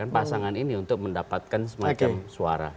pasangan ini untuk mendapatkan semacam suara